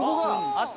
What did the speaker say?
あった？